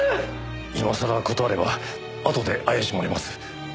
今さら断ればあとで怪しまれます。